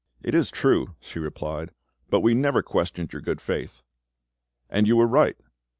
"It is true," she replied; "but we never questioned your good faith." "And you were right.